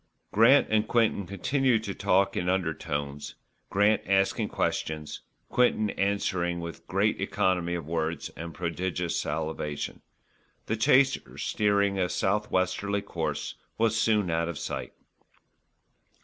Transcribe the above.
Grant and Quinton continued to talk in undertones, Grant asking questions, Quinton answering with great economy of words and prodigious salivation. The chaser, steering a south westerly course, was soon out of sight.